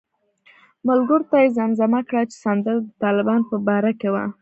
ملګرو ته یې زمزمه کړه چې سندره د طالبانو په باره کې وه.